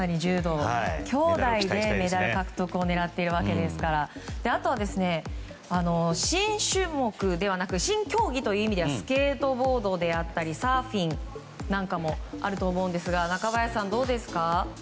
兄妹でメダル獲得を狙っているわけですからあとは新競技という意味ではスケートボードであったりサーフィンなんかもあると思うんですが中林さん、どうですか。